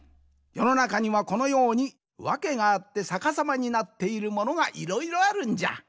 よのなかにはこのようにわけがあってさかさまになっているものがいろいろあるんじゃ。